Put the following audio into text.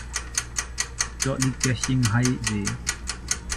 Dort liegt der Qinghai-See.